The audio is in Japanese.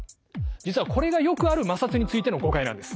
実はこれがよくある摩擦についての誤解なんです。